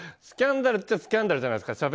スキャンダルといえばスキャンダルじゃないですか。